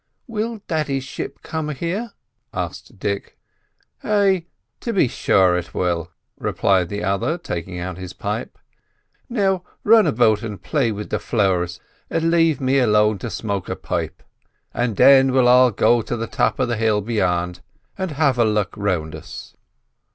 "Will daddy's ship come here?" asked Dick. "Ay, to be sure it will," replied the other, taking out his pipe. "Now run about and play with the flowers an' lave me alone to smoke a pipe, and then we'll all go to the top of the hill beyant, and have a look round us.